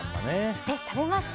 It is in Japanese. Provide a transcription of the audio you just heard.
食べました？